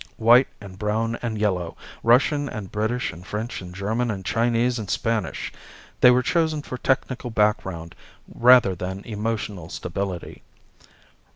"White and brown and yellow. Russian and British and French and German and Chinese and Spanish. They were chosen for technical background rather than emotional stability."